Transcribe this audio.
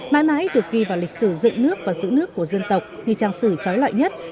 mãi mãi được ghi vào lịch sử dựng nước và giữ nước của dân tộc như trang sử trói loại nhất